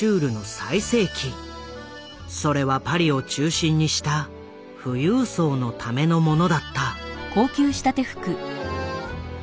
それはパリを中心にした富裕層のためのものだった。